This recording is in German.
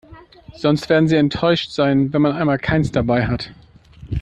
Sonst werden sie enttäuscht sein, wenn man einmal keins dabei hat.